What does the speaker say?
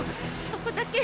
そこだけ。